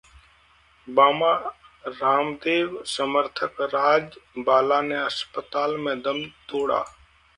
बाबा रामदेव समर्थक राजबाला ने अस्पताल में दम तोड़ा